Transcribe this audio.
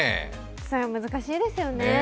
それは難しいですよね。